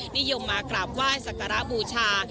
นิยมมากราบไหว้สักการะบูชา